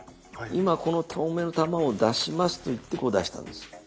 「今この透明の玉を出します」と言ってこう出したんです。